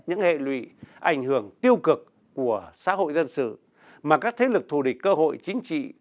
những hệ lụy ảnh hưởng tiêu cực của xã hội dân sự mà các thế lực thù địch cơ hội chính trị